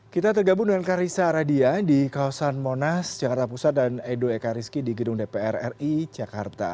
kita tergabung dengan karissa aradia di kawasan monas jakarta pusat dan edo ekariski di gedung dpr ri jakarta